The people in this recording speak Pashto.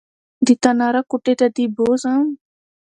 د تناره کوټې ته دې بوځم